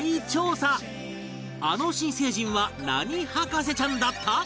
あの新成人は何博士ちゃんだった？